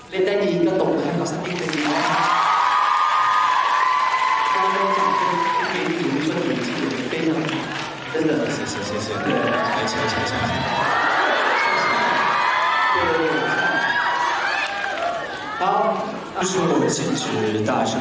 เล่นได้ดีก็ตกภาพเขาสักทีเลยนะครับ